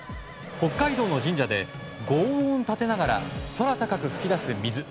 北海道の神社で轟音を立てながら空高く噴き出す水。